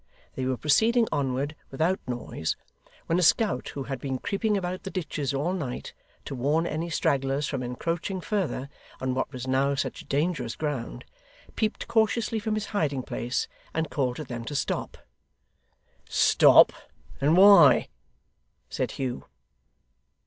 They were proceeding onward without noise, when a scout who had been creeping about the ditches all night, to warn any stragglers from encroaching further on what was now such dangerous ground, peeped cautiously from his hiding place, and called to them to stop. 'Stop! and why?' said Hugh.